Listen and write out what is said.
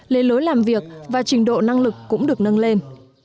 lề lối làm việc và trình độ năng lực cũng được nâng lên